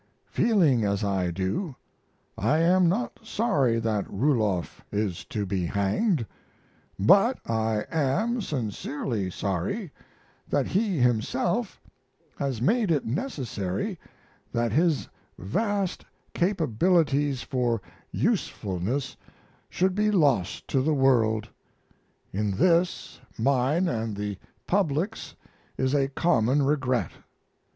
Feeling as I do, I am not sorry that Ruloff is to be hanged, but I am sincerely sorry that he himself has made it necessary that his vast capabilities for usefulness should be lost to the world. In this, mine and the public's is a common regret.